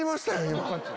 今。